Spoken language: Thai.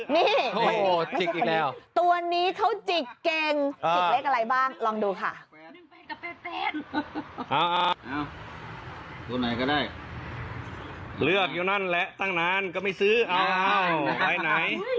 นี่ตัวนี้เขาจิกเก่งจิกเลขอะไรบ้างลองดูค่ะ